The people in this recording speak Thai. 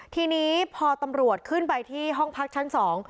ทีนี้พอตำรวจขึ้นไปที่ห้องพักชั้นสอง